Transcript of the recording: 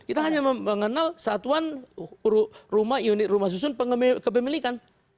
kita hanya mengenal satuan rumah unit rumah susun kepemilikan